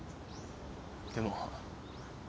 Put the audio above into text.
でも。